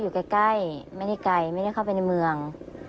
อยู่ใกล้ไม่ได้ไกลไม่ได้เข้าไปในเมือง